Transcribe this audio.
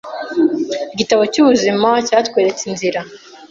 Igitabo cyubuzima cyatweretse inzira;